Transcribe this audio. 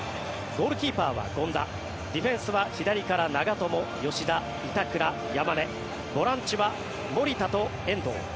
ゴールキーパーは権田ディフェンスは左から長友、吉田、板倉、山根ボランチは守田と遠藤。